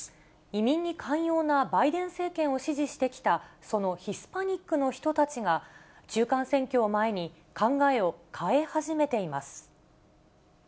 移民に寛容なバイデン政権を支持してきた、そのヒスパニックの人たちが、中間選挙を前に、考えを変え始めています。